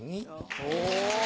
お！